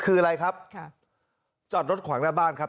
คืออะไรครับค่ะจอดรถขวางหน้าบ้านครับ